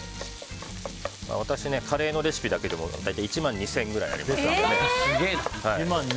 私、カレーのレシピだけでも大体１万２０００ぐらいすげえ！